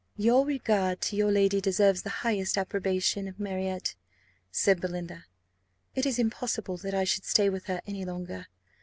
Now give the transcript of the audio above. "Your regard to your lady deserves the highest approbation, Marriott," said Belinda. "It is impossible that I should stay with her any longer.